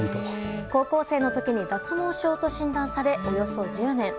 高校生の時に脱毛症と診断されおよそ１０年。